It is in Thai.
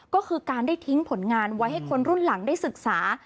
ก็คือการได้ทิ้งผลงานไว้ให้คนรุ่นหลังได้ศึกษา